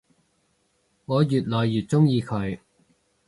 我愈來愈鍾意佢